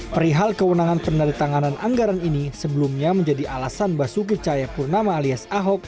perihal kewenangan peneritanganan anggaran ini sebelumnya menjadi alasan basuki cahayapurnama alias ahok